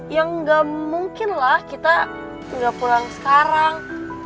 ya enggak mungkin lah kita gak pulang sekarang